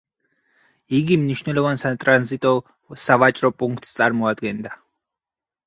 იგი მნიშვნელოვან სატრანზიტო სავაჭრო პუნქტს წარმოადგენდა.